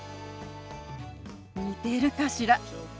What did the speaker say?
似てるかしら？